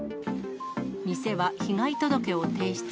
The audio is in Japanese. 店は被害届を提出。